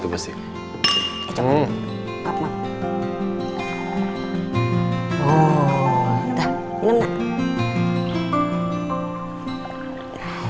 terima kasih bos